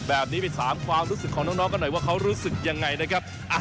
แบบนี้ไปถามความรู้สึกของน้องกันหน่อยว่าเขารู้สึกยังไงนะครับ